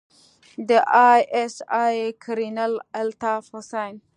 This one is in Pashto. د آى اس آى کرنيل الطاف حسين.